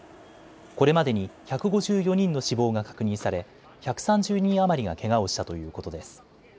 これまでに１５４人の死亡が確認され１３０人余りがけがをしたということです。